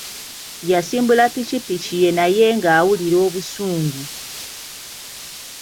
Yasimbula pikipiki ye naye nga awulira obusungu.